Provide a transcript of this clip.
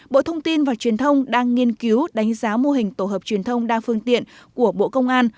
bộ thông tin và truyền thông đang nghiên cứu đánh giá mô hình tổ hợp truyền thông đa phương tiện của bộ công an